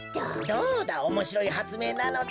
どうだおもしろいはつめいなのだ。